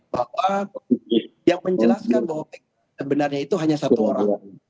bahwa yang menjelaskan bahwa sebenarnya itu hanya satu orang